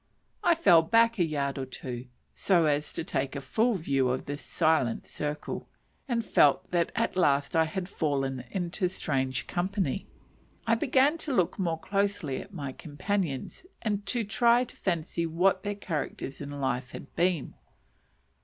I fell back a yard or two, so as to take a full view of this silent circle, and felt that at last I had fallen into strange company. I began to look more closely at my companions, and to try to fancy what their characters in life had been.